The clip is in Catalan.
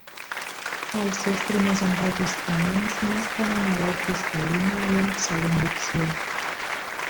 Els seus primers enregistraments mostren una veu cristal·lina i una excel·lent dicció.